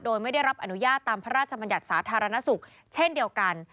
โดยไม่ได้รับอนุญาตตามพระราชบัญญัติสาธารณสุขเช่นเดียวกัน